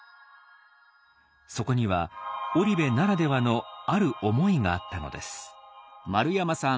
そこには織部ならではのある思いがあったのです。